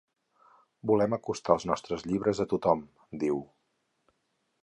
Volem acostar els nostres llibres a tothom, diu.